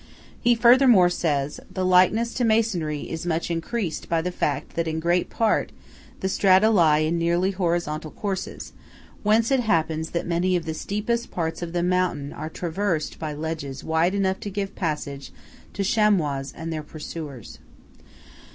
He furthermore says, "the likeness to masonry is much increased by the fact that in great part the strata lie in nearly horizontal courses, whence it happens that many of the steepest parts of the mountain are traversed by ledges wide enough to give passage to chamois and their pursuers."